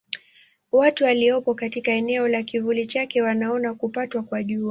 Watu waliopo katika eneo la kivuli chake wanaona kupatwa kwa Jua.